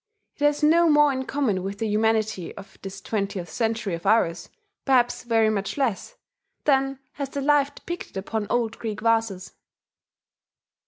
It has no more in common with the humanity of this twentieth century of ours perhaps very much less than has the life depicted upon old Greek vases.